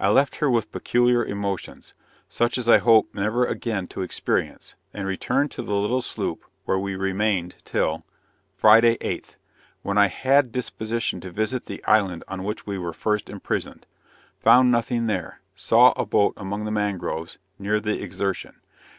I left her with peculiar emotions, such as I hope never again to experience; and returned to the little sloop where we remained till Friday, 8th When I had disposition to visit the island on which we were first imprisoned. Found nothing there saw a boat among the mangroves, near the Exertion.